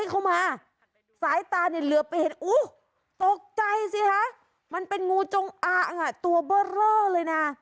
เข้ามาซ้ายตารายลืมเป็นวุฒิตก็ใจค่ะมันเป็นงูจงตัวเบอร์เลยนะ